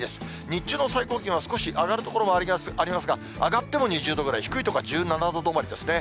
日中の最高気温は少し上がる所もありますが、上がっても２０度ぐらい、低い所は１７度止まりですね。